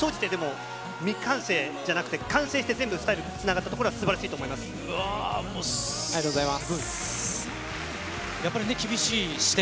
でも総じて、未完成ではなくて完成としてスタイルにつながったところはすばらありがとうございます。